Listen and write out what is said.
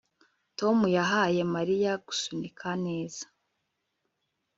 Tom yahaye Mariya gusunika neza